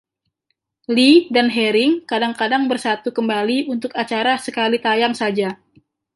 Lee dan Herring kadang-kadang bersatu kembali untuk acara sekali tayang saja.